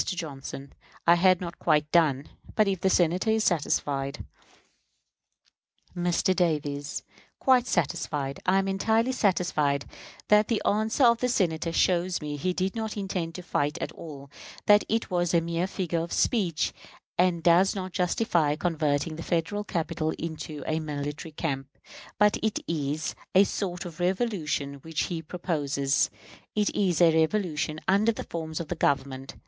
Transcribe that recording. Johnson: I had not quite done; but if the Senator is satisfied Mr. Davis: Quite satisfied. I am entirely satisfied that the answer of the Senator shows me he did not intend to fight at all; that it was a mere figure of speech, and does not justify converting the Federal capital into a military camp. But it is a sort of revolution which he proposes; it is a revolution under the forms of the Government.